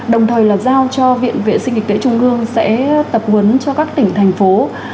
đồng thời là giao cho viện vệ sinh địa chung gương sẽ tập huấn cho các tỉnh thành phố